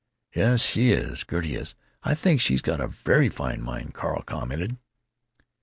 "Yes, she is—Gertie is——I think she's got a very fine mind," Carl commented.